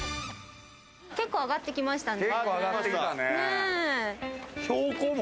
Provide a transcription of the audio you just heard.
結構上がってきましたね。